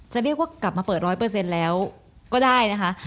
จะเรียกว่ากลับมาเปิดร้อยเปอร์เซ็นต์แล้วก็ได้นะคะ